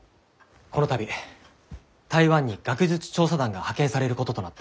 この度台湾に学術調査団が派遣されることとなった。